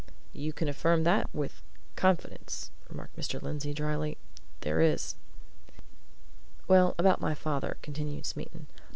"You can affirm that with confidence!" remarked Mr. Lindsey, drily. "There is!" "Well about my father," continued Smeaton.